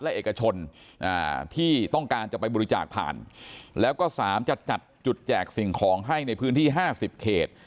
และเอกชนที่ต้องการจะไปบริจาคผ่านแล้วก็๓จะจัดจุดแจกสิ่งของให้ในพื้นที่๕๐เขต